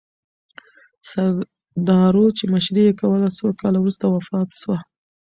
سردارو چې مشري یې کوله، څو کاله وروسته وفات سوه.